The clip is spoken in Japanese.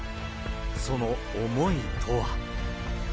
その思いとは。